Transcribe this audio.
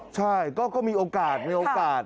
ใช่ก็มีโอกาสมีโอกาส